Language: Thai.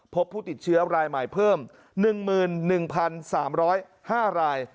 พบผู้ติดเชื้อรายใหม่เพิ่ม๑๑๓๐๕ราย